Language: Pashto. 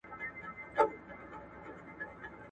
ایا ډیوډرنټ د بدن پر ټولو برخو استعمالولی شو؟